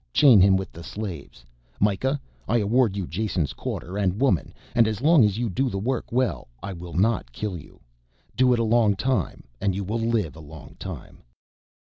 Chain him with the slaves. Mikah, I award you Jason's quarter and woman, and as long as you do the work well I will not kill you. Do it a long time and you will live a long time.